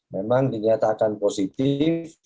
memang dinyatakan positif